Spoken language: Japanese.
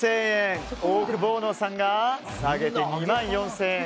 オオクボーノさんが下げて２万４０００円。